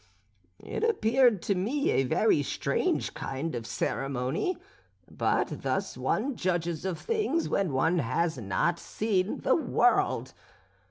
It appeared to me a very strange kind of ceremony; but thus one judges of things when one has not seen the world.